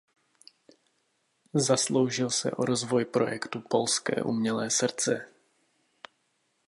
Zasloužil se o rozvoj projektu "Polské umělé srdce".